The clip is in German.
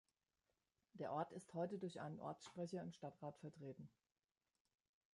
Der Ort ist heute durch einen Ortssprecher im Stadtrat vertreten.